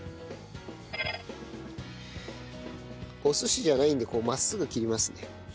お寿司じゃないんでこう真っすぐ切りますね。